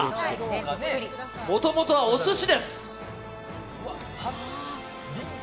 もともとはお寿司です。